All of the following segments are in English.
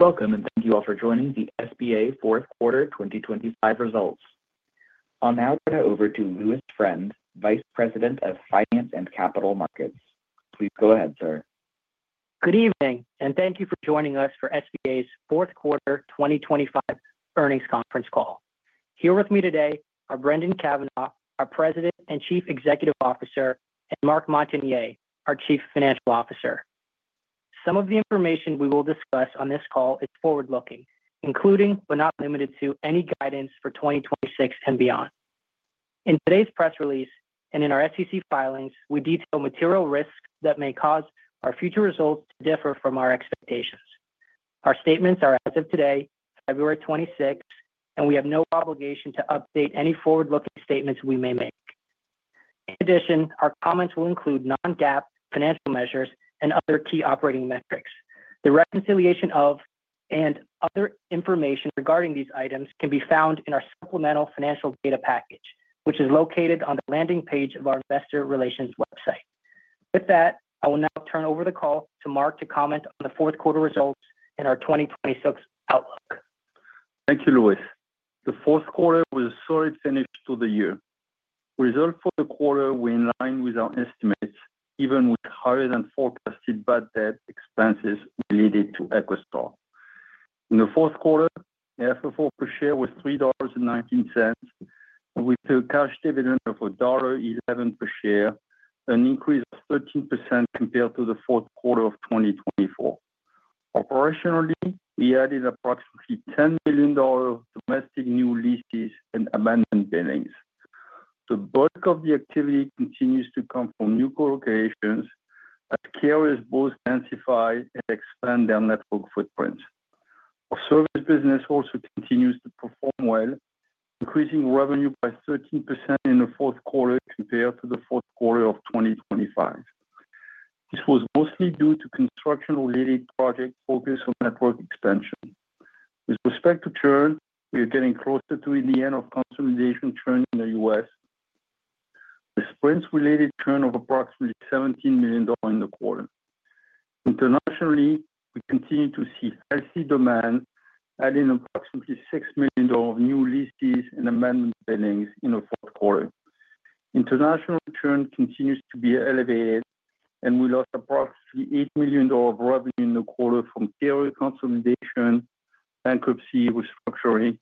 Welcome and thank you all for joining the SBA fourth quarter 2025 results. I'll now turn it over to Louis Friend, Vice President of Finance and Capital Markets. Please go ahead, sir. Good evening, thank you for joining us for SBA's fourth quarter 2025 earnings conference call. Here with me today are Brendan Cavanagh, our President and Chief Executive Officer, and Marc Montagner, our Chief Financial Officer. Some of the information we will discuss on this call is forward-looking, including, but not limited to, any guidance for 2026 and beyond. In today's press release and in our SEC filings, we detail material risks that may cause our future results to differ from our expectations. Our statements are as of today, February 2026, and we have no obligation to update any forward-looking statements we may make. In addition, our comments will include non-GAAP financial measures and other key operating metrics. The reconciliation of and other information regarding these items can be found in our supplemental financial data package, which is located on the landing page of our Investor Relations website. With that, I will now turn over the call to Marc to comment on the fourth quarter results and our 2026 outlook. Thank you, Louis. The fourth quarter was a solid finish to the year. Results for the quarter were in line with our estimates, even with higher than forecasted bad debt expenses related to EchoStar. In the fourth quarter, the FFO per share was $3.19, with a cash dividend of $1.11 per share, an increase of 13% compared to the fourth quarter of 2024. Operationally, we added approximately $10 million of domestic new leases and abandoned buildings. The bulk of the activity continues to come from new colocations, as carriers both intensify and expand their network footprints. Our service business also continues to perform well, increasing revenue by 13% in the fourth quarter compared to the fourth quarter of 2025. This was mostly due to construction-related projects focused on network expansion. With respect to churn, we are getting closer to the end of consolidation churn in the U.S., with Sprint-related churn of approximately $17 million in the quarter. Internationally, we continue to see healthy demand, adding approximately $6 million of new leases and abandoned buildings in the fourth quarter. International churn continues to be elevated, we lost approximately $8 million of revenue in the quarter from carrier consolidation, bankruptcy, restructuring,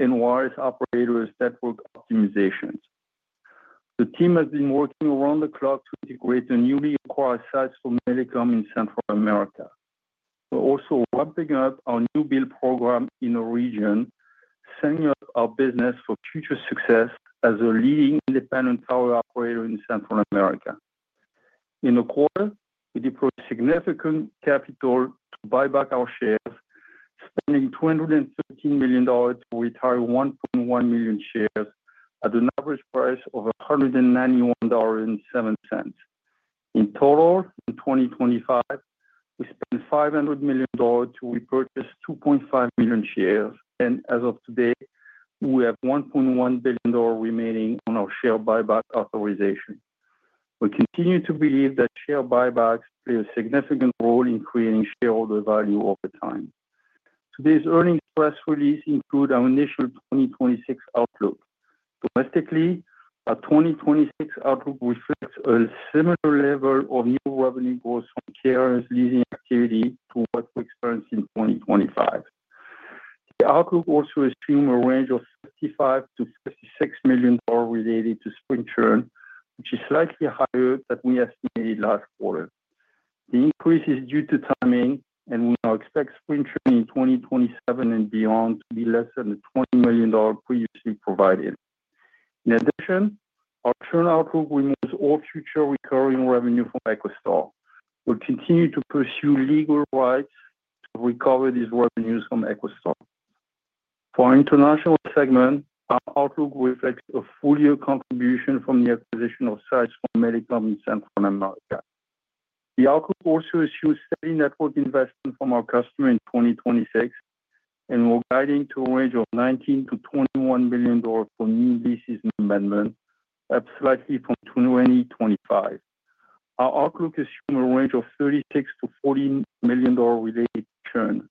and wireless operators' network optimizations. The team has been working around the clock to integrate the newly acquired sites for Millicom in Central America. We're also ramping up our new build program in the region, setting up our business for future success as a leading independent power producer in Central America. In the quarter, we deployed significant capital to buy back our shares, spending $213 million to retire 1.1 million shares at an average price of $191.07. In total, in 2025, we spent $500 million to repurchase 2.5 million shares. As of today, we have $1.1 billion remaining on our share buyback authorization. We continue to believe that share buybacks play a significant role in creating shareholder value over time. Today's earnings press release includes our initial 2026 outlook. Domestically, our 2026 outlook reflects a similar level of new revenue growth from carriers' leasing activity to what we experienced in 2025. The outlook also assumes a range of $55 million-$56 million related to Sprint churn, which is slightly higher than we estimated last quarter. The increase is due to timing. We now expect Sprint churn in 2027 and beyond to be less than the $20 million previously provided. In addition, our churn outlook removes all future recurring revenue from EchoStar. We'll continue to pursue legal rights to recover these revenues from EchoStar. For our international segment, our outlook reflects a full-year contribution from the acquisition of sites from Millicom in Central America. The outlook also assumes steady network investment from our customers in 2026. We're guiding to a range of $19 million-$21 million for new leases and abandonments, up slightly from 2025. Our outlook assumes a range of $36 million-$40 million related to churn.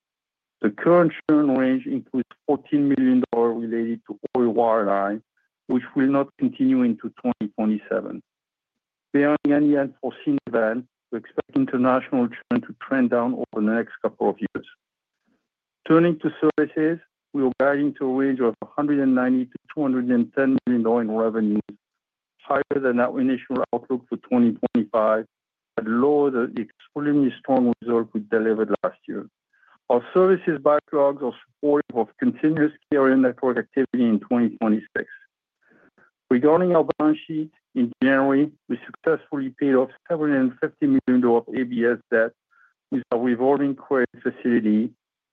The current churn range includes $14 million related to Oi wireline, which will not continue into 2027. Bearing any unforeseen events, we expect international churn to trend down over the next couple of years. Turning to services, we are guiding to a range of $190 million-$210 million in revenues, higher than our initial outlook for 2025, lower than the extremely strong results we delivered last year. Our services backlogs are supportive of continuous carrier network activity in 2026. Regarding our balance sheet, in January, we successfully paid off $750 million of ABS debt with our revolving credit facility.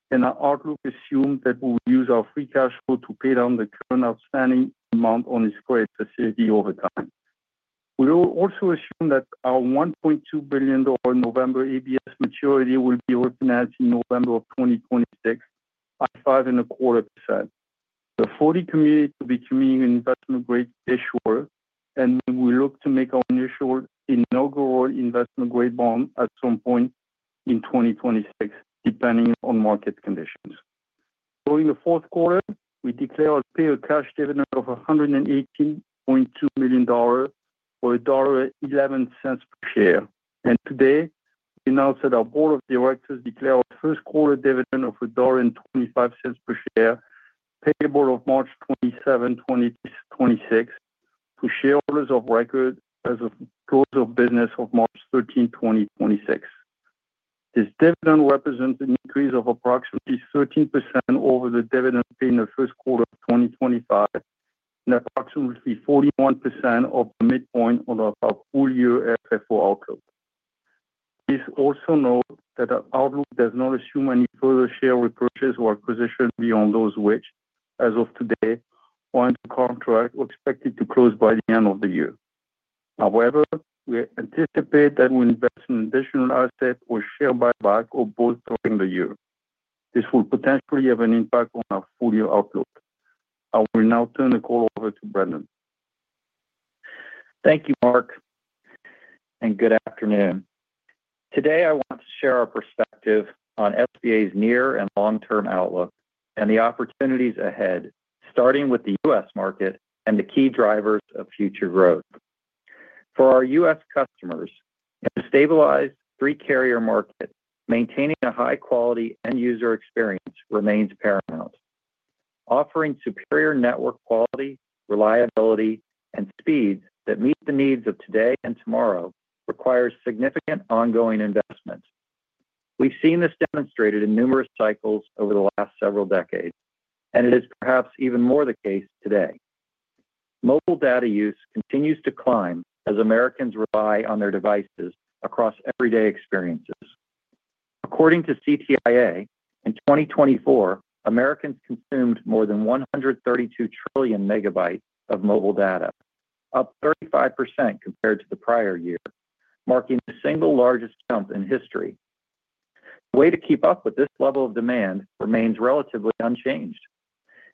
Our outlook assumes that we will use our free cash flow to pay down the current outstanding amount on this credit facility over time. We also assume that our $1.2 billion November ABS maturity will be refinanced in November of 2026 by 5.25%. The 40 communities will be community investment grade issuers. We look to make our initial inaugural investment grade bond at some point in 2026, depending on market conditions. During the fourth quarter, we declared a pay of cash dividend of $118.2 million or $1.11 per share. Today, we announced that our board of directors declared our first quarter dividend of $1.25 per share, payable of March 27, 2026, to shareholders of record as of close of business of March 13, 2026. This dividend represents an increase of approximately 13% over the dividend paid in the first quarter of 2025 and approximately 41% of the midpoint on our full-year FFO outlook. Please also note that our outlook does not assume any further share repurchase or acquisition beyond those which, as of today, are under contract or expected to close by the end of the year. We anticipate that we invest in additional assets or share buyback or both during the year. This will potentially have an impact on our full-year outlook. I will now turn the call over to Brendan. Thank you, Marc. Good afternoon. Today, I want to share our perspective on SBA's near and long-term outlook and the opportunities ahead, starting with the U.S. market and the key drivers of future growth. For our U.S. customers, in a stabilized three-carrier market, maintaining a high quality end-user experience remains paramount. Offering superior network quality, reliability, and speeds that meet the needs of today and tomorrow requires significant ongoing investment. We've seen this demonstrated in numerous cycles over the last several decades. It is perhaps even more the case today. Mobile data use continues to climb as Americans rely on their devices across everyday experiences. According to CTIA, in 2024, Americans consumed more than 132 trillion MB of mobile data, up 35% compared to the prior year, marking the single largest jump in history. The way to keep up with this level of demand remains relatively unchanged.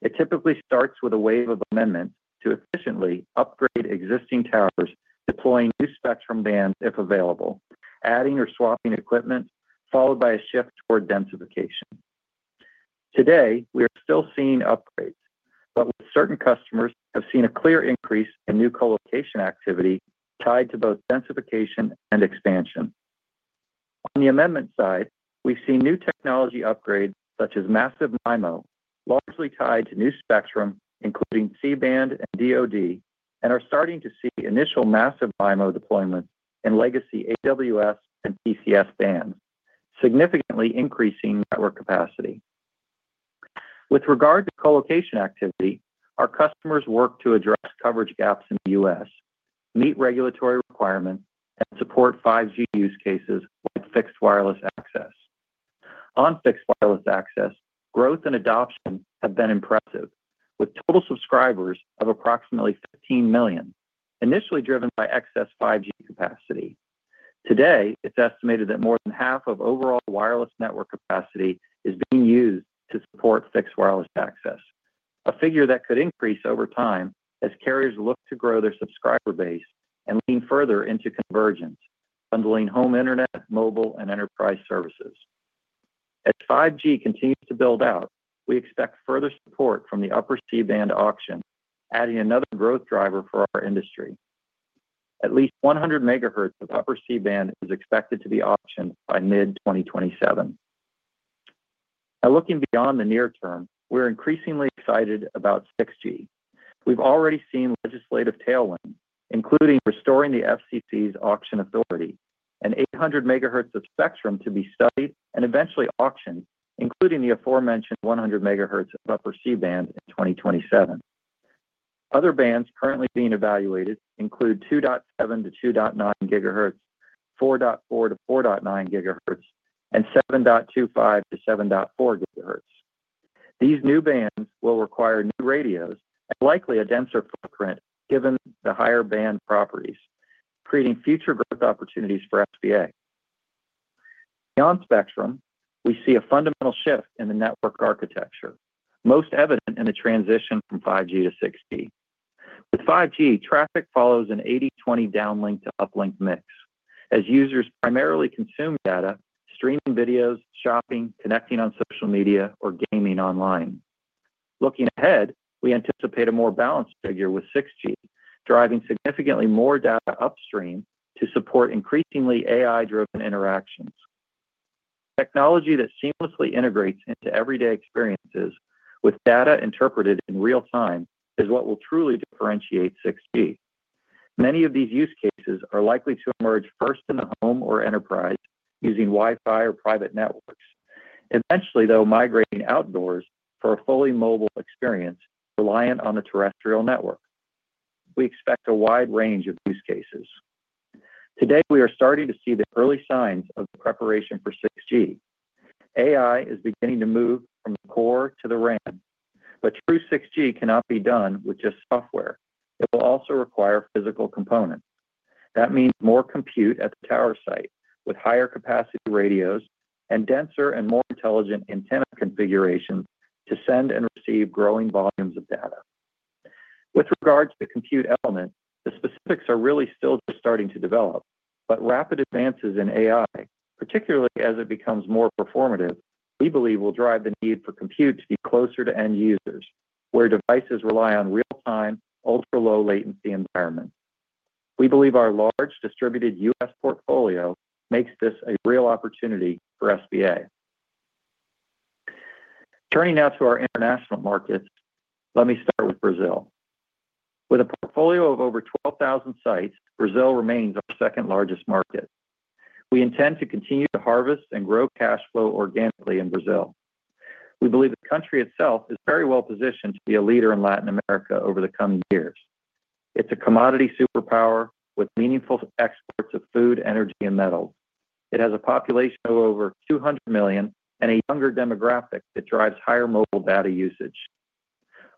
It typically starts with a wave of amendments to efficiently upgrade existing towers, deploying new spectrum bands if available, adding or swapping equipment, followed by a shift toward densification. Today, we are still seeing upgrades, but certain customers have seen a clear increase in new colocation activity tied to both densification and expansion. On the amendment side, we've seen new technology upgrades such as Massive MIMO, largely tied to new spectrum, including C-band and DOD, and are starting to see initial Massive MIMO deployments in legacy AWS and PCS bands, significantly increasing network capacity. With regard to colocation activity, our customers work to address coverage gaps in the U.S., meet regulatory requirements, and support 5G use cases like fixed wireless access. On fixed wireless access, growth and adoption have been impressive, with total subscribers of approximately 15 million, initially driven by excess 5G capacity. Today, it's estimated that more than half of overall wireless network capacity is being used to support fixed wireless access, a figure that could increase over time as carriers look to grow their subscriber base and lean further into convergence, bundling home internet, mobile, and enterprise services. As 5G continues to build out, we expect further support from the upper C-band auction, adding another growth driver for our industry. At least 100 MHz of upper C-band is expected to be auctioned by mid-2027. Looking beyond the near term, we're increasingly excited about 6G. We've already seen legislative tailwinds, including restoring the FCC's auction authority and 800 MHz of spectrum to be studied and eventually auctioned, including the aforementioned 100 MHz of upper C-band in 2027. Other bands currently being evaluated include 2.7-2.9 GHz, 4.4-4.9 GHz, and 7.25-7.4 GHz. These new bands will require new radios and likely a denser footprint given the higher band properties, creating future growth opportunities for SBA. Beyond spectrum, we see a fundamental shift in the network architecture, most evident in the transition from 5G to 6G. With 5G, traffic follows an 80/20 downlink to uplink mix, as users primarily consume data, streaming videos, shopping, connecting on social media, or gaming online. Looking ahead, we anticipate a more balanced figure with 6G, driving significantly more data upstream to support increasingly AI-driven interactions. Technology that seamlessly integrates into everyday experiences, with data interpreted in real time, is what will truly differentiate 6G. Many of these use cases are likely to emerge first in the home or enterprise using Wi-Fi or private networks, eventually, though, migrating outdoors for a fully mobile experience reliant on the terrestrial network. We expect a wide range of use cases. Today, we are starting to see the early signs of the preparation for 6G. AI is beginning to move from the core to the RAN. True 6G cannot be done with just software. It will also require physical components. That means more compute at the tower site, with higher capacity radios and denser and more intelligent antenna configurations to send and receive growing volumes of data. With regards to the compute element, the specifics are really still just starting to develop. Rapid advances in AI, particularly as it becomes more performative, we believe will drive the need for compute to be closer to end users, where devices rely on real-time, ultra-low-latency environments. We believe our large distributed U.S. portfolio makes this a real opportunity for SBA. Turning now to our international markets, let me start with Brazil. With a portfolio of over 12,000 sites, Brazil remains our second-largest market. We intend to continue to harvest and grow cash flow organically in Brazil. We believe the country itself is very well positioned to be a leader in Latin America over the coming years. It's a commodity superpower with meaningful exports of food, energy, and metals. It has a population of over 200 million and a younger demographic that drives higher mobile data usage.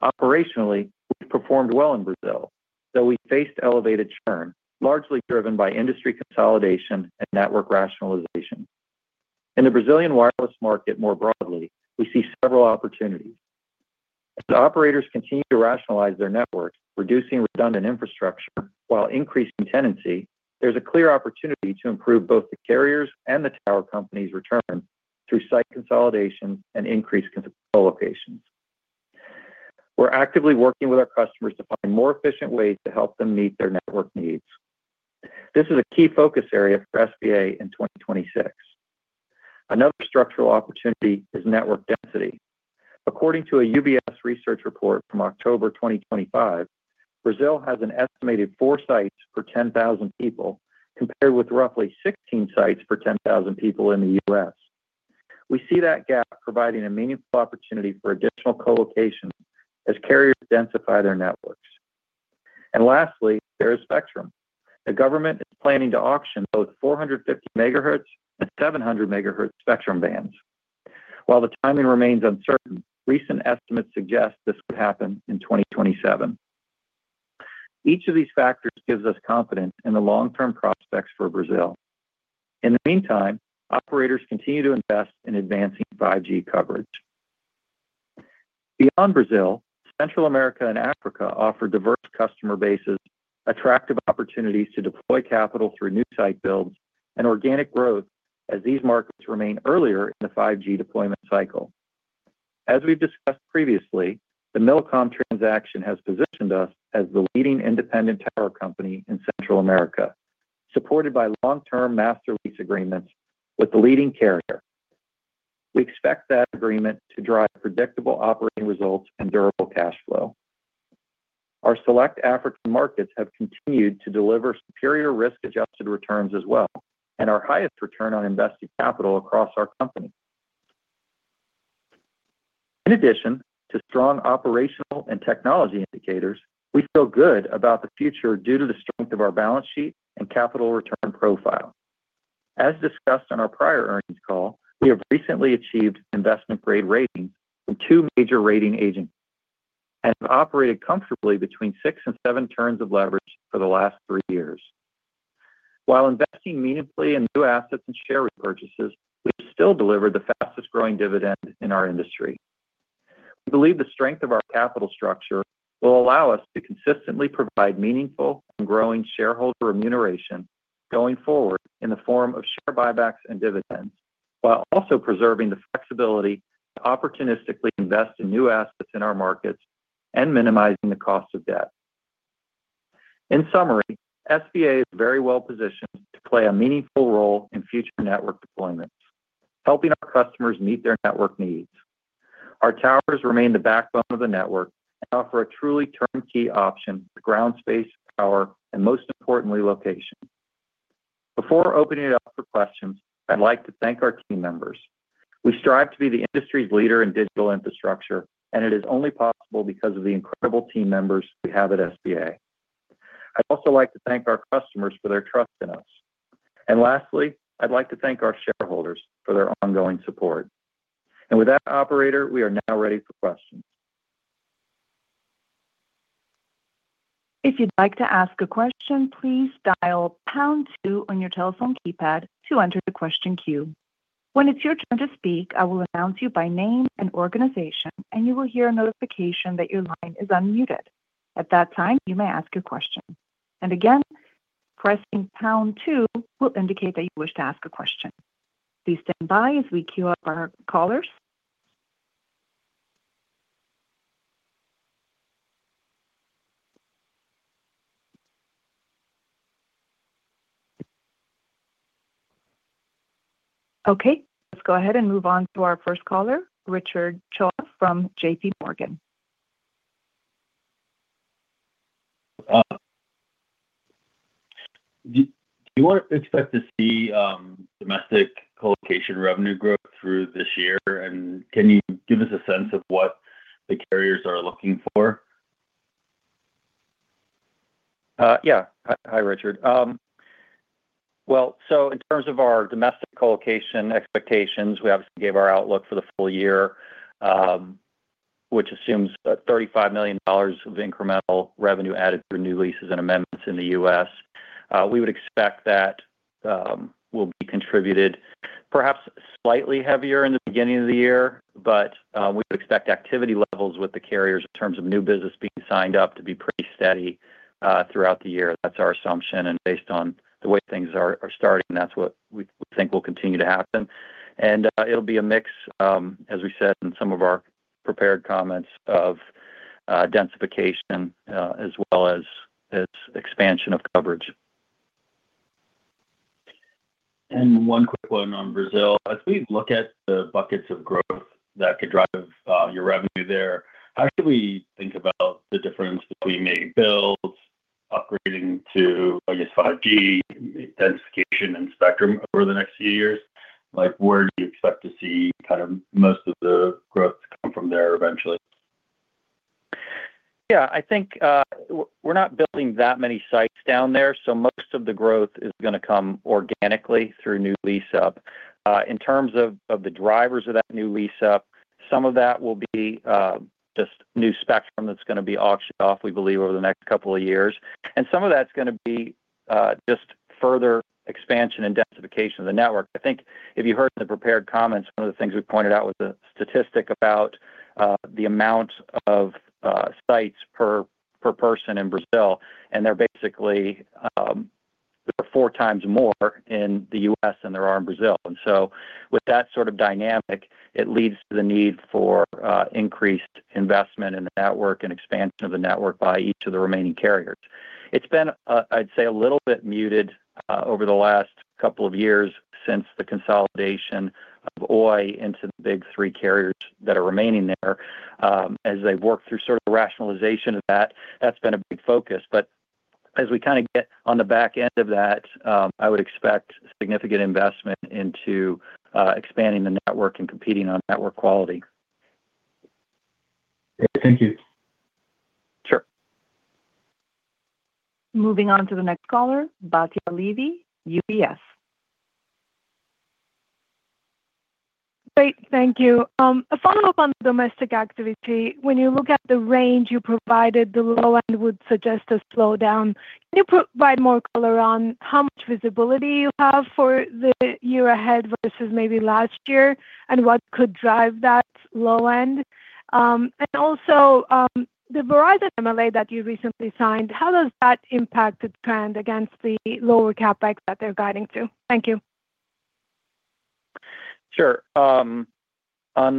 Operationally, we've performed well in Brazil, though we faced elevated churn, largely driven by industry consolidation and network rationalization. In the Brazilian wireless market more broadly, we see several opportunities. As operators continue to rationalize their networks, reducing redundant infrastructure while increasing tenancy, there's a clear opportunity to improve both the carriers and the tower companies' returns through site consolidations and increased colocations. We're actively working with our customers to find more efficient ways to help them meet their network needs. This is a key focus area for SBA in 2026. Another structural opportunity is network density. According to a UBS research report from October 2025, Brazil has an estimated four sites for 10,000 people compared with roughly 16 sites for 10,000 people in the U.S. We see that gap providing a meaningful opportunity for additional colocations as carriers densify their networks. Lastly, there is spectrum. The government is planning to auction both 450 MHz and 700 MHz spectrum bands. While the timing remains uncertain, recent estimates suggest this could happen in 2027. Each of these factors gives us confidence in the long-term prospects for Brazil. In the meantime, operators continue to invest in advancing 5G coverage. Beyond Brazil, Central America and Africa offer diverse customer bases, attractive opportunities to deploy capital through new site builds, and organic growth as these markets remain earlier in the 5G deployment cycle. As we've discussed previously, the Millicom transaction has positioned us as the leading independent tower company in Central America, supported by long-term master lease agreements with the leading carrier. We expect that agreement to drive predictable operating results and durable cash flow. Our select African markets have continued to deliver superior risk-adjusted returns as well and our highest return on invested capital across our company. In addition to strong operational and technology indicators, we feel good about the future due to the strength of our balance sheet and capital return profile. As discussed on our prior earnings call, we have recently achieved investment-grade ratings from two major rating agencies and have operated comfortably between six and seven turns of leverage for the last three years. While investing meaningfully in new assets and share repurchases, we've still delivered the fastest-growing dividend in our industry. We believe the strength of our capital structure will allow us to consistently provide meaningful and growing shareholder renumeration going forward in the form of share buybacks and dividends while also preserving the flexibility and opportunistically invest in U.S. market and minimizing the cost of debt. In summary, SBA is very well positioned to play a meaningful role in future network deployments, helping our customers meet their network needs. Our towers remain the backbone of the network and offer a truly turnkey option with ground space, power, and most importantly, location. Before opening it up for questions, I'd like to thank our team members. We strive to be the industry's leader in digital infrastructure. It is only possible because of the incredible team members we have at SBA. I'd also like to thank our customers for their trust in us. Lastly, I'd like to thank our shareholders for their ongoing support. With that, operator, we are now ready for questions. If you'd like to ask a question, please dial pound two on your telephone keypad to enter the question queue. When it's your turn to speak, I will announce you by name and organization, and you will hear a notification that your line is unmuted. At that time, you may ask your question. Again, pressing pound two will indicate that you wish to ask a question. Please stand by as we queue up our callers. Okay. Let's go ahead and move on to our first caller, Richard Choe from JPMorgan. Do you expect to see domestic colocation revenue growth through this year? Can you give us a sense of what the carriers are looking for? Hi, Richard. In terms of our domestic colocation expectations, we obviously gave our outlook for the full year, which assumes $35 million of incremental revenue added through new leases and amendments in the U.S. We would expect that will be contributed perhaps slightly heavier in the beginning of the year, but we would expect activity levels with the carriers in terms of new business being signed up to be pretty steady throughout the year. That's our assumption. Based on the way things are starting, that's what we think will continue to happen. It'll be a mix, as we said in some of our prepared comments, of densification as well as expansion of coverage. One quick one on Brazil. As we look at the buckets of growth that could drive your revenue there, how should we think about the difference between maybe builds, upgrading to, I guess, 5G, densification, and spectrum over the next few years? Where do you expect to see kind of most of the growth come from there eventually? Yeah. I think we're not building that many sites down there, so most of the growth is going to come organically through new lease-up. In terms of the drivers of that new lease-up, some of that will be just new spectrum that's going to be auctioned off, we believe, over the next couple of years. Some of that's going to be just further expansion and densification of the network. I think if you heard in the prepared comments, one of the things we pointed out was a statistic about the amount of sites per person in Brazil. They're basically four times more in the U.S. than there are in Brazil. With that sort of dynamic, it leads to the need for increased investment in the network and expansion of the network by each of the remaining carriers. It's been, I'd say, a little bit muted over the last couple of years since the consolidation of Oi into the big three carriers that are remaining there. As they've worked through sort of the rationalization of that's been a big focus. As we kind of get on the back end of that, I would expect significant investment into expanding the network and competing on network quality. Great. Thank you. Sure. Moving on to the next caller, Batya Levi, UBS. Great. Thank you. A follow-up on domestic activity. When you look at the range you provided, the low end would suggest a slowdown. Can you provide more color on how much visibility you have for the year ahead versus maybe last year, and what could drive that low end? Also, the Verizon MLA that you recently signed, how does that impact the trend against the lower CapEx that they're guiding to? Thank you. Sure. On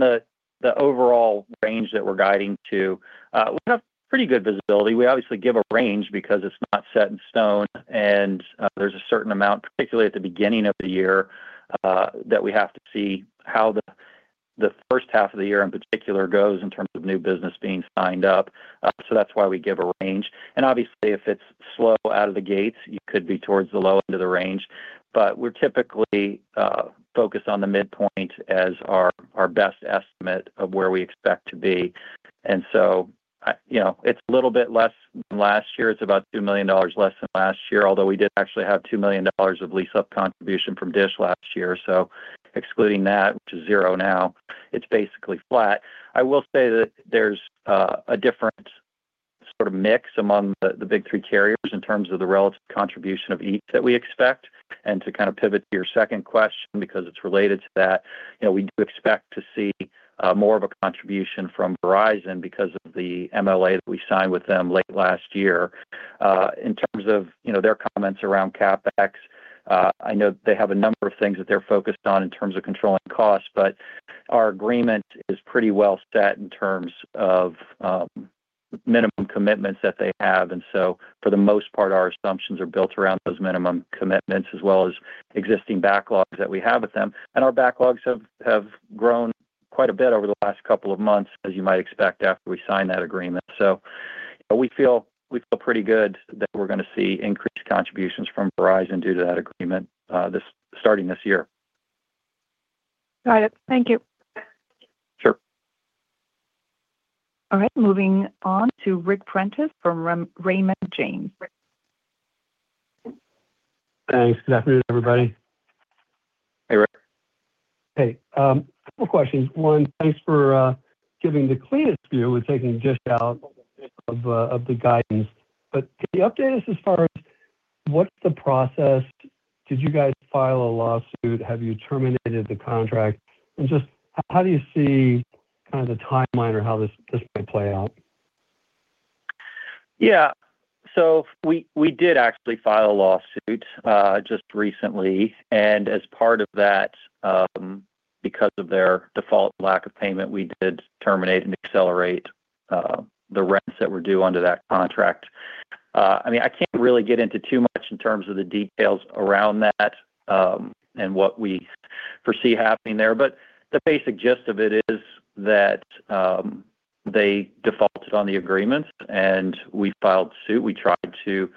the overall range that we're guiding to, we have pretty good visibility. We obviously give a range because it's not set in stone. There's a certain amount, particularly at the beginning of the year, that we have to see how the first half of the year in particular goes in terms of new business being signed up. That's why we give a range. Obviously, if it's slow out of the gates, you could be towards the low end of the range. We're typically focused on the midpoint as our best estimate of where we expect to be. It's a little bit less than last year. It's about $2 million less than last year, although we did actually have $2 million of lease-up contribution from DISH last year. Excluding that, which is zero now, it's basically flat. I will say that there's a different sort of mix among the big three carriers in terms of the relative contribution of each that we expect. To kind of pivot to your second question because it's related to that, we do expect to see more of a contribution from Verizon because of the MLA that we signed with them late last year. In terms of their comments around CapEx, I know they have a number of things that they're focused on in terms of controlling costs, but our agreement is pretty well set in terms of minimum commitments that they have. For the most part, our assumptions are built around those minimum commitments as well as existing backlogs that we have with them. Our backlogs have grown quite a bit over the last couple of months, as you might expect, after we signed that agreement. We feel pretty good that we're going to see increased contributions from Verizon due to that agreement starting this year. Got it. Thank you. Sure. All right. Moving on to Ric Prentiss from Raymond James. Thanks. Good afternoon, everybody. Hey, Ric. Hey. A couple of questions. One, thanks for giving the cleanest view with taking DISH out of the guidance. Can you update us as far as what's the process? Did you guys file a lawsuit? Have you terminated the contract? Just how do you see kind of the timeline or how this might play out? Yeah. We did actually file a lawsuit just recently. As part of that, because of their default lack of payment, we did terminate and accelerate the rents that were due under that contract. I mean, I can't really get into too much in terms of the details around that and what we foresee happening there. The basic gist of it is that they defaulted on the agreements, and we filed suit. We tried to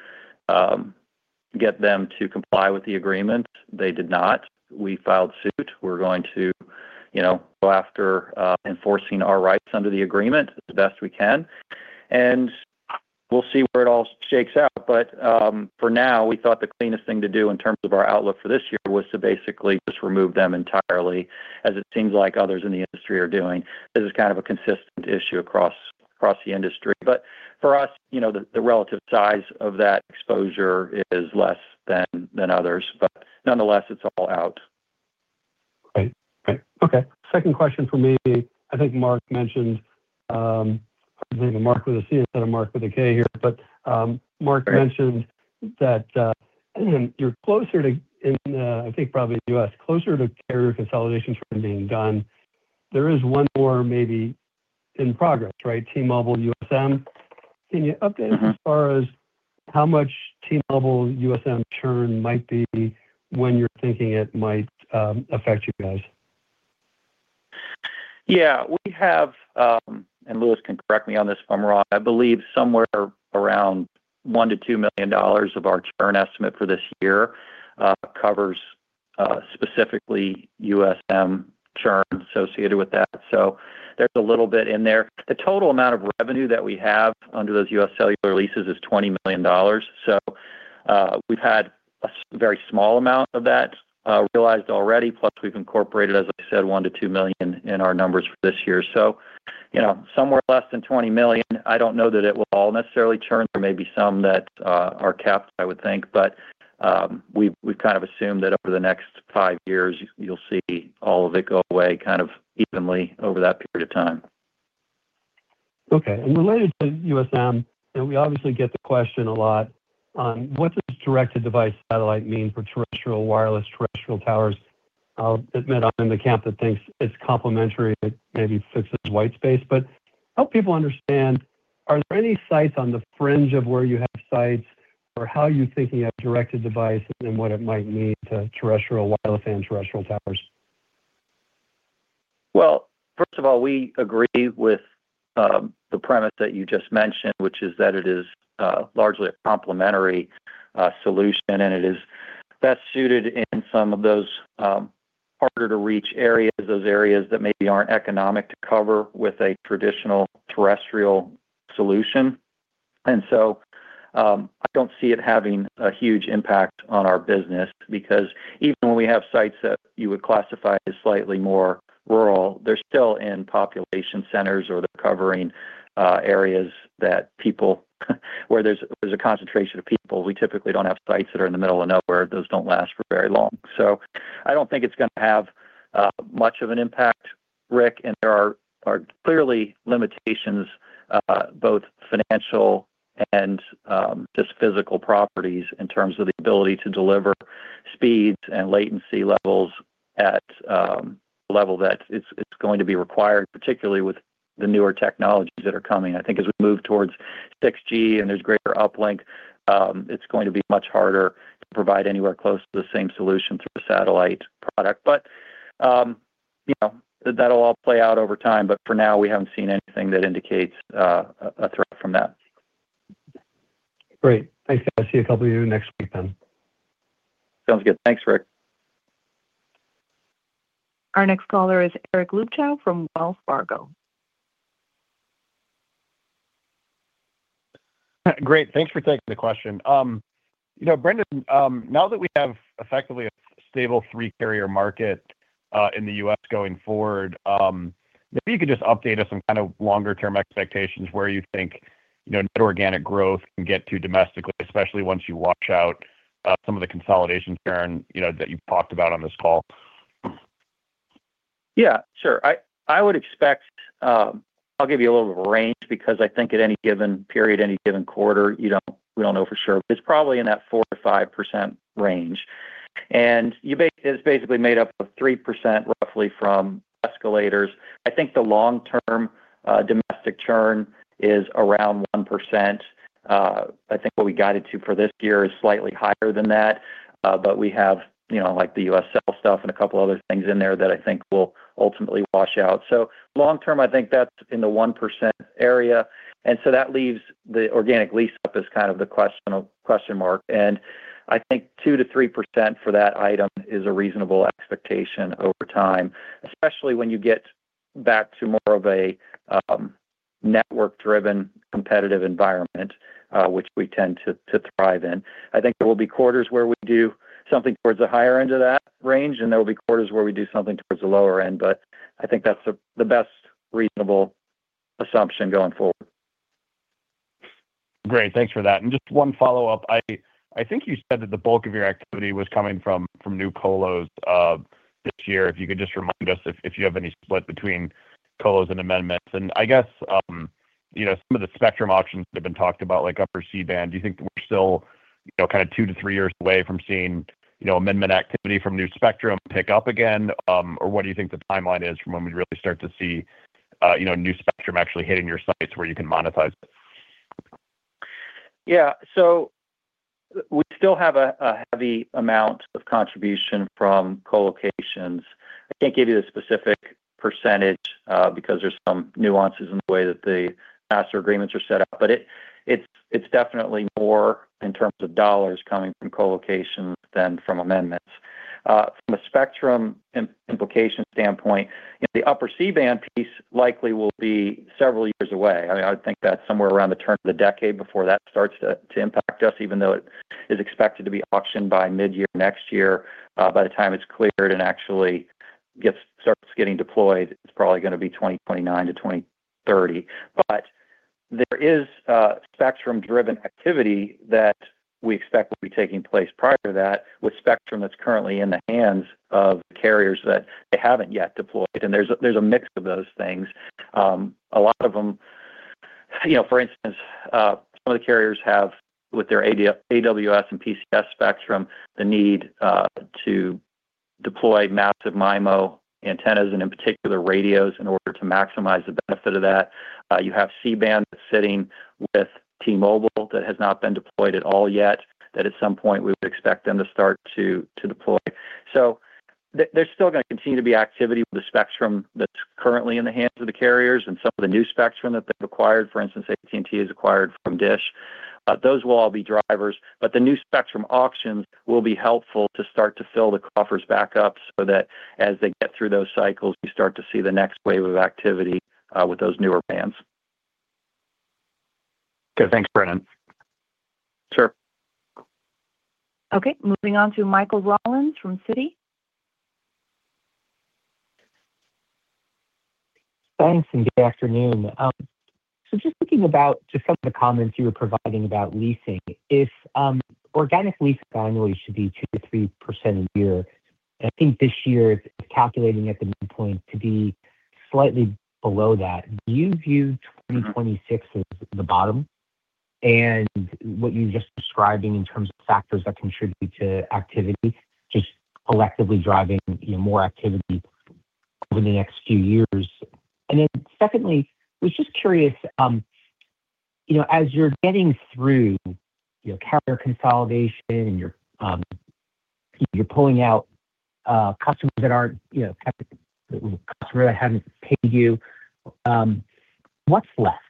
get them to comply with the agreement. They did not. We filed suit. We're going to go after enforcing our rights under the agreement the best we can. We'll see where it all shakes out. For now, we thought the cleanest thing to do in terms of our outlook for this year was to basically just remove them entirely, as it seems like others in the industry are doing. This is kind of a consistent issue across the industry. For us, the relative size of that exposure is less than others. Nonetheless, it's all out. Great. Great. Okay. Second question for me. I think Marc mentioned I believe it was Marc with a C instead of Mark with a K here. Marc mentioned that you're closer to I think probably the U.S., closer to carrier consolidation trend being done. There is one more maybe in progress, right? T-Mobile, USM. Can you update us as far as how much T-Mobile USM churn might be when you're thinking it might affect you guys? Yeah. Louis can correct me on this if I'm wrong. I believe somewhere around $1 million-$2 million of our churn estimate for this year covers specifically USM churn associated with that. There's a little bit in there. The total amount of revenue that we have under those UScellular leases is $20 million. We've had a very small amount of that realized already, plus we've incorporated, as I said, $1 million-$2 million in our numbers for this year. Somewhere less than $20 million. I don't know that it will all necessarily churn. There may be some that are kept, I would think. We've kind of assumed that over the next five years, you'll see all of it go away kind of evenly over that period of time. Okay. Related to USM, we obviously get the question a lot on what does direct-to-device satellite mean for terrestrial wireless terrestrial towers? I'll admit I'm in the camp that thinks it's complementary. It maybe fixes whitespace. Help people understand, are there any sites on the fringe of where you have sites or how you're thinking of direct-to-device and what it might mean to terrestrial wireless and terrestrial towers? First of all, we agree with the premise that you just mentioned, which is that it is largely a complementary solution, and it is best suited in some of those harder-to-reach areas, those areas that maybe aren't economic to cover with a traditional terrestrial solution. I don't see it having a huge impact on our business because even when we have sites that you would classify as slightly more rural, they're still in population centers or they're covering areas where there's a concentration of people. We typically don't have sites that are in the middle of nowhere. Those don't last for very long. I don't think it's going to have much of an impact, Ric. There are clearly limitations, both financial and just physical properties, in terms of the ability to deliver speeds and latency levels at the level that it's going to be required, particularly with the newer technologies that are coming. I think as we move towards 6G and there's greater uplink, it's going to be much harder to provide anywhere close to the same solution through a satellite product. That'll all play out over time. For now, we haven't seen anything that indicates a threat from that. Great. Thanks, guys. See a couple of you next week then. Sounds good. Thanks, Ric. Our next caller is Eric Luebchow from Wells Fargo. Great. Thanks for taking the question. Brendan, now that we have effectively a stable three-carrier market in the U.S. going forward, maybe you could just update us on kind of longer-term expectations where you think net organic growth can get to domestically, especially once you wash out some of the consolidation churn that you've talked about on this call. Yeah. Sure. I would expect I'll give you a little bit of range because I think at any given period, any given quarter, we don't know for sure. It's probably in that 4%-5% range. It's basically made up of 3% roughly from escalators. I think the long-term domestic churn is around 1%. I think what we guided to for this year is slightly higher than that. We have the UScell stuff and a couple of other things in there that I think will ultimately wash out. Long-term, I think that's in the 1% area. That leaves the organic lease-up as kind of the question mark. I think 2%-3% for that item is a reasonable expectation over time, especially when you get back to more of a network-driven, competitive environment, which we tend to thrive in. I think there will be quarters where we do something towards the higher end of that range, and there will be quarters where we do something towards the lower end. I think that's the best reasonable assumption going forward. Great. Thanks for that. Just one follow-up. I think you said that the bulk of your activity was coming from new colos this year. If you could just remind us if you have any split between colos and amendments? I guess some of the spectrum options that have been talked about, like upper C-band, do you think we're still kind of two to three years away from seeing amendment activity from new spectrum pick up again? Or what do you think the timeline is from when we really start to see new spectrum actually hitting your sites where you can monetize it? We still have a heavy amount of contribution from colocations. I can't give you the specific percentage because there's some nuances in the way that the master agreements are set up. It's definitely more in terms of dollars coming from colocations than from amendments. From a spectrum implication standpoint, the upper C-band piece likely will be several years away. I mean, I would think that's somewhere around the turn of the decade before that starts to impact us, even though it is expected to be auctioned by mid-year next year. By the time it's cleared and actually starts getting deployed, it's probably going to be 2029 to 2030. There is spectrum-driven activity that we expect will be taking place prior to that with spectrum that's currently in the hands of the carriers that they haven't yet deployed. There's a mix of those things. A lot of them for instance, some of the carriers have with their AWS and PCS spectrum, the need to deploy Massive MIMO antennas and, in particular, radios in order to maximize the benefit of that. You have C-band that's sitting with T-Mobile that has not been deployed at all yet, that at some point, we would expect them to start to deploy. There's still going to continue to be activity with the spectrum that's currently in the hands of the carriers and some of the new spectrum that they've acquired. For instance, AT&T has acquired from DISH. Those will all be drivers. The new spectrum auctions will be helpful to start to fill the coffers back up so that as they get through those cycles, you start to see the next wave of activity with those newer bands. Good. Thanks, Brendan. Sure. Okay. Moving on to Michael Rollins from Citi. Thanks and good afternoon. Just thinking about some of the comments you were providing about leasing, if organic lease annually should be 2%-3% a year, and I think this year it's calculating at the midpoint to be slightly below that, do you view 2026 as the bottom? What you're just describing in terms of factors that contribute to activity, just collectively driving more activity over the next few years. Then secondly, I was just curious, as you're getting through carrier consolidation and you're pulling out customers that aren't customers that haven't paid you, what's left?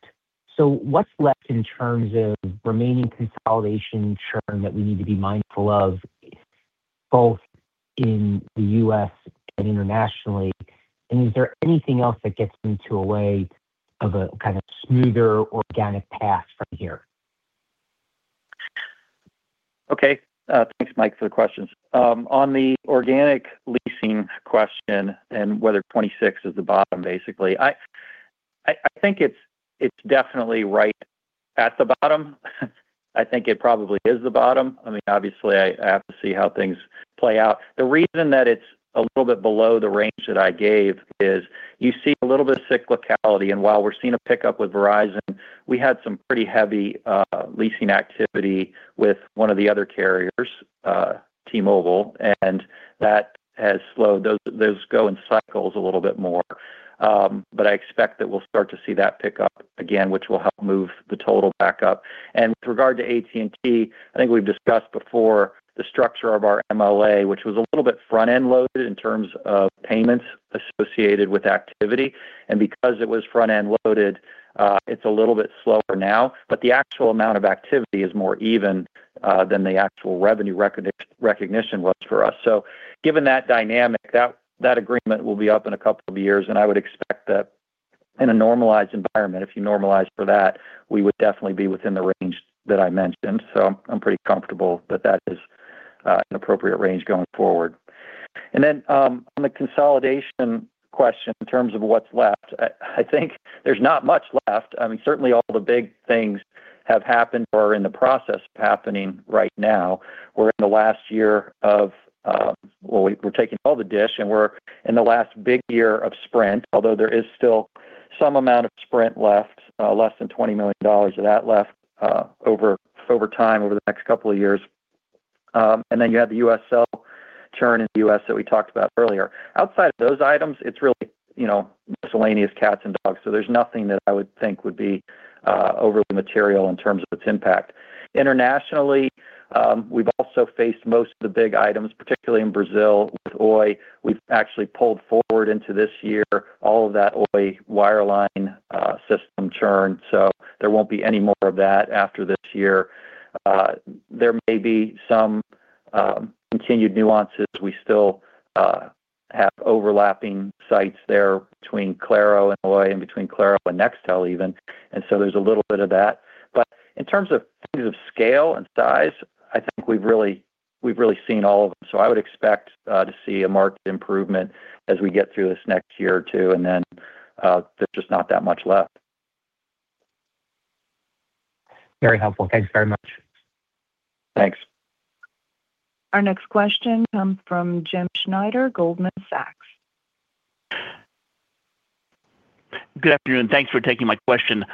What's left in terms of remaining consolidation churn that we need to be mindful of both in the U.S. and internationally? Is there anything else that gets them to a way of a kind of smoother organic path from here? Okay. Thanks, Mike, for the questions. On the organic leasing question and whether 2026 is the bottom, basically, I think it's definitely right at the bottom. I think it probably is the bottom. I mean, obviously, I have to see how things play out. The reason that it's a little bit below the range that I gave is you see a little bit of cyclicality. While we're seeing a pickup with Verizon, we had some pretty heavy leasing activity with one of the other carriers, T-Mobile, and that has slowed. Those go in cycles a little bit more. I expect that we'll start to see that pick up again, which will help move the total back up. With regard to AT&T, I think we've discussed before the structure of our MLA, which was a little bit front-end loaded in terms of payments associated with activity. Because it was front-end loaded, it's a little bit slower now. The actual amount of activity is more even than the actual revenue recognition was for us. Given that dynamic, that agreement will be up in a couple of years. I would expect that in a normalized environment, if you normalize for that, we would definitely be within the range that I mentioned. I'm pretty comfortable that that is an appropriate range going forward. On the consolidation question in terms of what's left, I think there's not much left. I mean, certainly, all the big things have happened or are in the process of happening right now. We're in the last year of well, we're taking all the DISH, and we're in the last big year of Sprint, although there is still some amount of Sprint left, less than $20 million of that left over time, over the next couple of years. You had the UScellular churn in the U.S. that we talked about earlier. Outside of those items, it's really miscellaneous cats and dogs. There's nothing that I would think would be overly material in terms of its impact. Internationally, we've also faced most of the big items, particularly in Brazil with Oi. We've actually pulled forward into this year all of that Oi wireline system churn. There won't be any more of that after this year. There may be some continued nuances. We still have overlapping sites there between Claro and Oi and between Claro and Nextel, even. There's a little bit of that. In terms of things of scale and size, I think we've really seen all of them. I would expect to see a market improvement as we get through this next year or two. Then there's just not that much left. Very helpful. Thanks very much. Thanks. Our next question comes from Jim Schneider, Goldman Sachs. Good afternoon. Thanks for taking my question.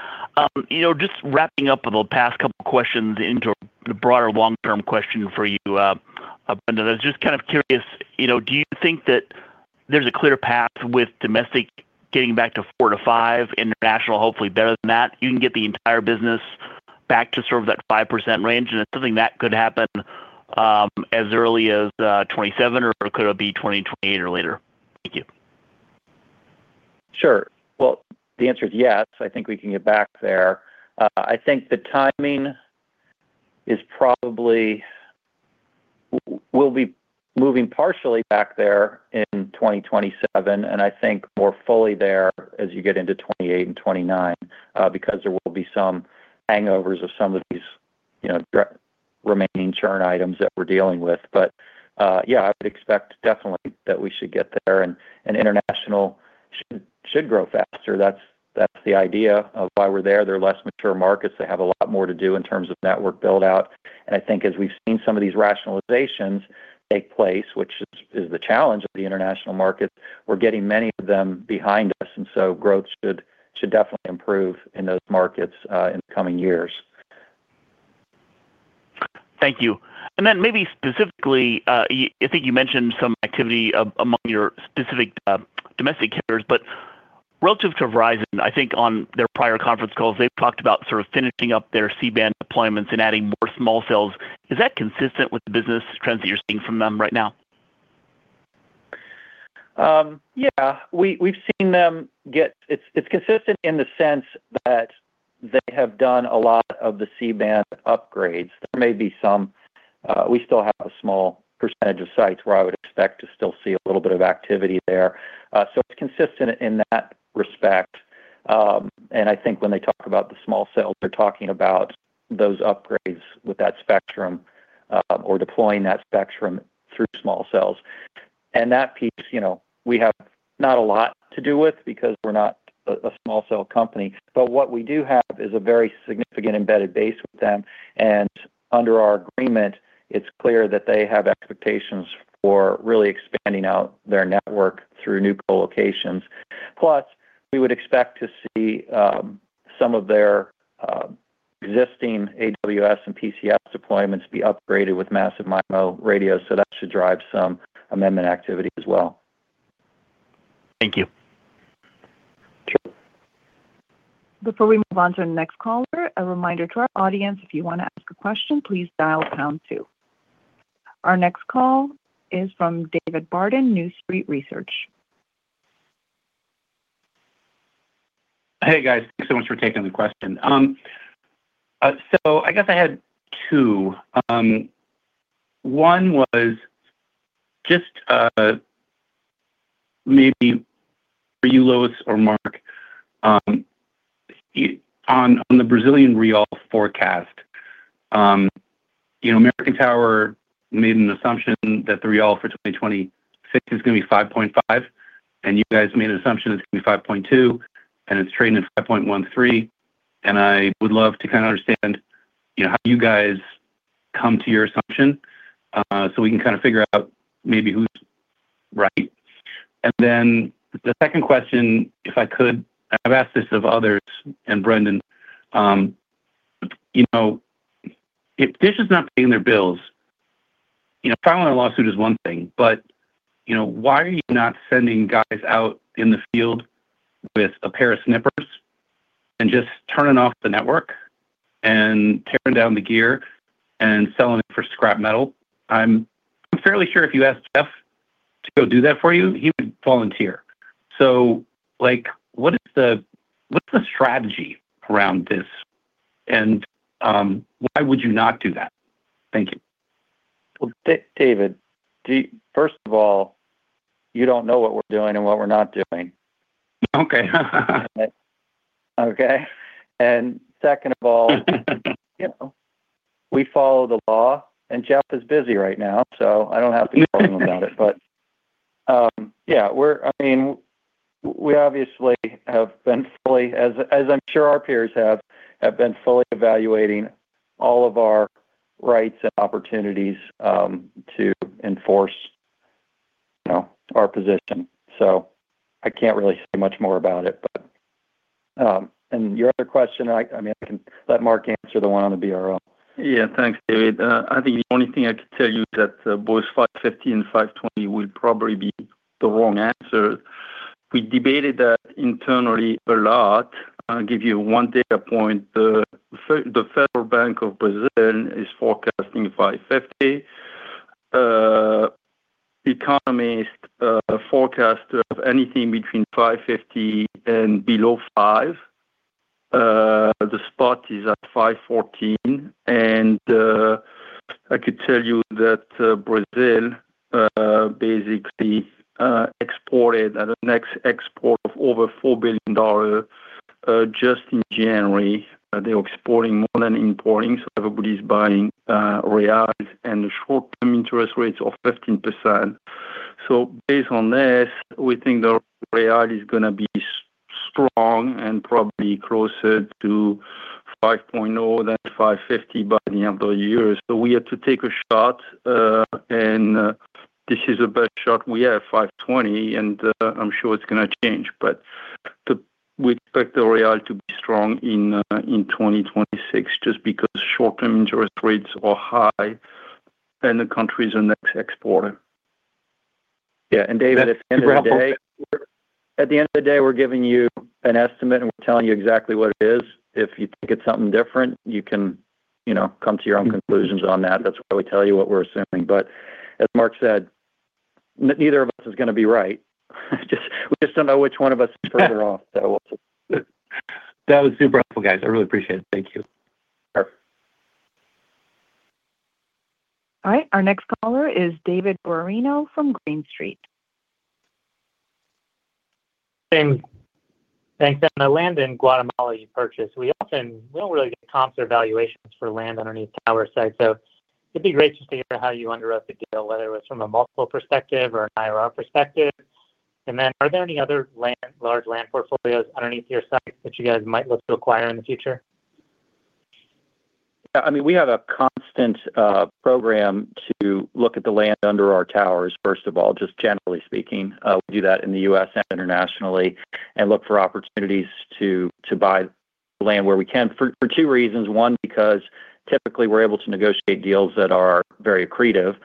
Just wrapping up the past couple of questions into a broader long-term question for you, Brendan. I was just kind of curious, do you think that there's a clear path with domestic getting back to 4%-5%, international hopefully better than that? You can get the entire business back to sort of that 5% range. Is something that could happen as early as 2027, or could it be 2028 or later? Thank you. Sure. Well, the answer is yes. I think we can get back there. I think the timing will be moving partially back there in 2027 and I think more fully there as you get into 2028 and 2029 because there will be some hangovers of some of these remaining churn items that we're dealing with. Yeah, I would expect definitely that we should get there. International should grow faster. That's the idea of why we're there. They're less mature markets. They have a lot more to do in terms of network buildout. I think as we've seen some of these rationalizations take place, which is the challenge of the international markets, we're getting many of them behind us. Growth should definitely improve in those markets in the coming years. Thank you. Maybe specifically, I think you mentioned some activity among your specific domestic carriers. Relative to Verizon, I think on their prior conference calls, they've talked about sort of finishing up their C-band deployments and adding more small cells. Is that consistent with the business trends that you're seeing from them right now? Yeah. We've seen them get— it's consistent in the sense that they have done a lot of the C-band upgrades. There may be some we still have a small percentage of sites where I would expect to still see a little bit of activity there. It's consistent in that respect. I think when they talk about the small cells, they're talking about those upgrades with that spectrum or deploying that spectrum through small cells. That piece, we have not a lot to do with because we're not a small cell company. What we do have is a very significant embedded base with them. Under our agreement, it's clear that they have expectations for really expanding out their network through new colocations. Plus, we would expect to see some of their existing AWS and PCS deployments be upgraded with massive MIMO radios. That should drive some amendment activity as well. Thank you. Sure. Before we move on to our next caller, a reminder to our audience, if you want to ask a question, please dial pound two. Our next call is from David Barden, New Street Research. Hey, guys. Thanks so much for taking the question. I guess I had two. One was just maybe for you, Louis or Marc, on the Brazilian real forecast, American Tower made an assumption that the real for 2026 is going to be 5.5. You guys made an assumption it's going to be 5.2, and it's trading at 5.13. I would love to kind of understand how you guys come to your assumption so we can kind of figure out maybe who's right. The second question, if I could I've asked this of others and Brendan. If DISH is not paying their bills, filing a lawsuit is one thing. Why are you not sending guys out in the field with a pair of snippers and just turning off the network and tearing down the gear and selling it for scrap metal? I'm fairly sure if you asked Jeff to go do that for you, he would volunteer. What's the strategy around this, and why would you not do that? Thank you. Well, David, first of all, you don't know what we're doing and what we're not doing. Okay? Second of all, we follow the law. Jeff is busy right now, so I don't have to call him about it. Yeah, I mean, we obviously have been fully as I'm sure our peers have, been fully evaluating all of our rights and opportunities to enforce our position. I can't really say much more about it. Your other question, I mean, I can let Marc answer the one on the BRL. Yeah. Thanks, David. I think the only thing I could tell you is that those 5.15 and 5.20 will probably be the wrong answer. We debated that internally a lot. I'll give you one data point. The Central Bank of Brazil is forecasting 5.50. Economists forecast to have anything between 5.50 and below 5. The spot is at 5.14. I could tell you that Brazil basically exported an export of over $4 billion just in January. They were exporting more than importing. Everybody's buying reals and the short-term interest rates of 15%. Based on this, we think the real is going to be strong and probably closer to 5.0 than 5.50 by the end of the year. We have to take a shot. This is the best shot we have, 5.20. I'm sure it's going to change. We expect the real to be strong in 2026 just because short-term interest rates are high and the country is a next exporter. Yeah. David, at the end of the day, we're giving you an estimate, and we're telling you exactly what it is. If you think it's something different, you can come to your own conclusions on that. That's why we tell you what we're assuming. As Marc said, neither of us is going to be right. We just don't know which one of us is further off, though. That was super helpful, guys. I really appreciate it. Thank you. Sure. All right. Our next caller is David Guarino from Green Street. Thanks. Thanks. The land in Guatemala you purchased, we don't really get comps or valuations for land underneath tower sites. It'd be great just to hear how you underwrote the deal, whether it was from a multiple perspective or an IRR perspective. Are there any other large land portfolios underneath your site that you guys might look to acquire in the future? I mean, we have a constant program to look at the land under our towers, first of all, just generally speaking. We do that in the U.S. and internationally and look for opportunities to buy land where we can for two reasons. One, because typically, we're able to negotiate deals that are very accretive.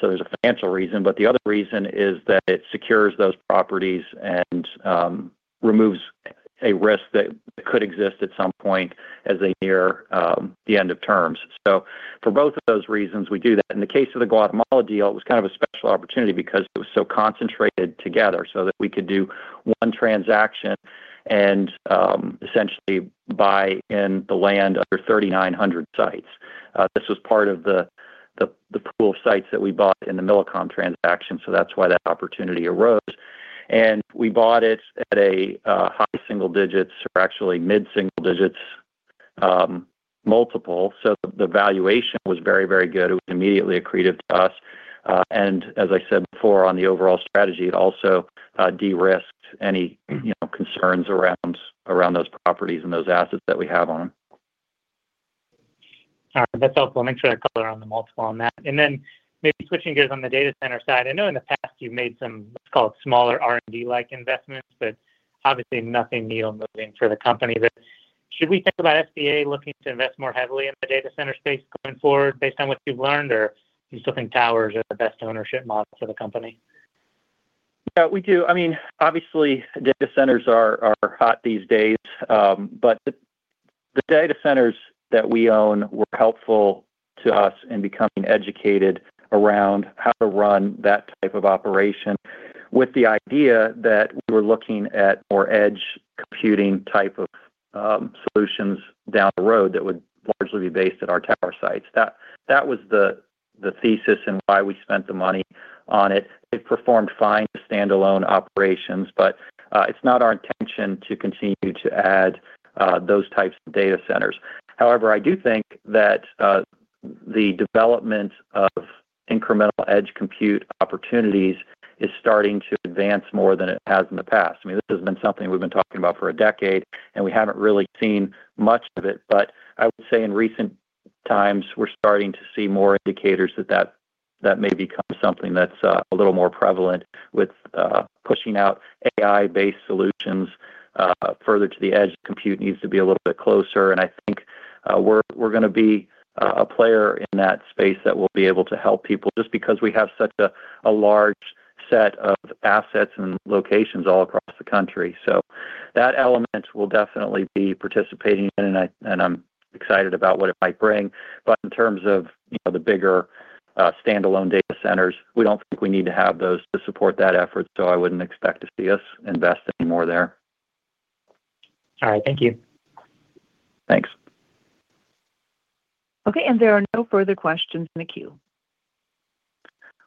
There's a financial reason. The other reason is that it secures those properties and removes a risk that could exist at some point as they near the end of terms. For both of those reasons, we do that. In the case of the Guatemala deal, it was kind of a special opportunity because it was so concentrated together so that we could do one transaction and essentially buy in the land under 3,900 sites. This was part of the pool of sites that we bought in the Millicom transaction. That's why that opportunity arose. We bought it at a high single digits or actually mid-single digits multiple. The valuation was very, very good. It was immediately accretive to us. As I said before, on the overall strategy, it also de-risked any concerns around those properties and those assets that we have on them. All right. That's helpful. Make sure to color on the multiple on that. Maybe switching gears on the data center side. I know in the past, you've made some, let's call it, smaller R&D-like investments, but obviously, nothing needle-moving for the company. Should we think about SBA looking to invest more heavily in the data center space going forward based on what you've learned, or do you still think towers are the best ownership model for the company? Yeah, we do. I mean, obviously, data centers are hot these days. The data centers that we own were helpful to us in becoming educated around how to run that type of operation with the idea that we were looking at more edge computing type of solutions down the road that would largely be based at our tower sites. That was the thesis and why we spent the money on it. They've performed fine standalone operations, but it's not our intention to continue to add those types of data centers. However, I do think that the development of incremental edge compute opportunities is starting to advance more than it has in the past. I mean, this has been something we've been talking about for a decade, and we haven't really seen much of it. I would say in recent times, we're starting to see more indicators that that may become something that's a little more prevalent with pushing out AI-based solutions further to the edge. Compute needs to be a little bit closer. I think we're going to be a player in that space that will be able to help people just because we have such a large set of assets and locations all across the country. That element will definitely be participating in, and I'm excited about what it might bring. In terms of the bigger standalone data centers, we don't think we need to have those to support that effort. I wouldn't expect to see us invest anymore there. All right. Thank you. Thanks. Okay. There are no further questions in the queue.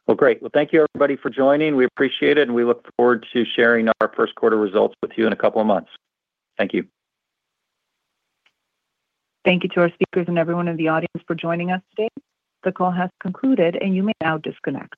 Well, great. Well, thank you, everybody, for joining. We appreciate it. We look forward to sharing our first quarter results with you in a couple of months. Thank you. Thank you to our speakers and everyone in the audience for joining us today. The call has concluded. You may now disconnect.